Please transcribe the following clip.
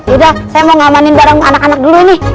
udah saya mau ngamanin bareng anak anak dulu nih